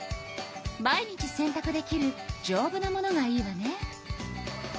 毎日せんたくできるじょうぶなものがいいわね。